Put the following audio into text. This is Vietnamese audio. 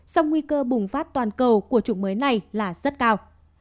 song nguy cơ bùng phát toàn cầu của chủng mới này là rất cao